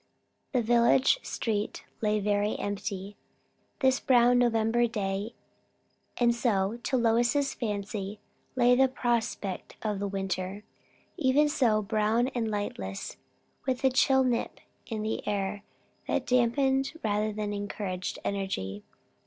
The village street lay very empty, this brown November day; and so, to Lois's fancy, lay the prospect of the winter. Even so; brown and lightless, with a chill nip in the air that dampened rather than encouraged energy.